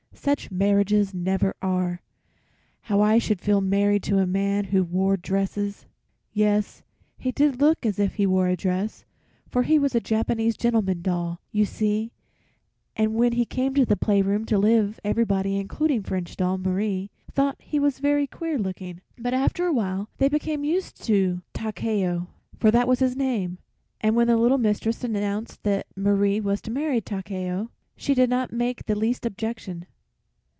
"Such marriages never are. How I should feel married to a man who wore dresses." Yes, he did look as if he wore a dress, for he was a Japanese gentleman doll, you see, and when he came to the playroom to live everybody, including French Doll Marie, thought he was very queer looking. But after a while they became used to Takeo, for that was his name, and when the little mistress announced that Marie was to marry Takeo she did not make the least objection.